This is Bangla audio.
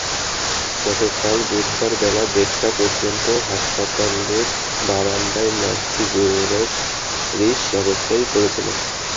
গতকাল বুধবার বেলা দেড়টা পর্যন্ত হাসপাতালের বারান্দায় লাশটি বেওয়ারিশ অবস্থায় পড়ে ছিল।